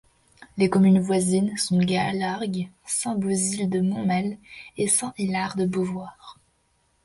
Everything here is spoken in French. Les communes voisines sont Galargues, Saint-Bauzille-de-Montmel et Saint-Hilaire-de-Beauvoir.